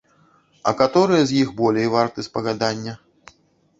А каторыя з іх болей варты спагадання?